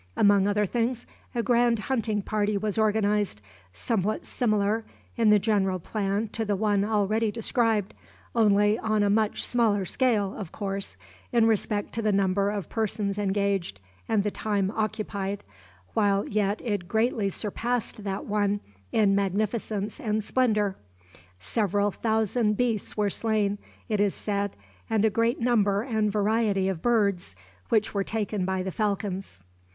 Among other things a grand hunting party was organized, somewhat similar in the general plan to the one already described, only on a much smaller scale, of course, in respect to the number of persons engaged and the time occupied, while yet it greatly surpassed that one in magnificence and splendor. Several thousand beasts were slain, it is said, and a great number and variety of birds, which were taken by the falcons.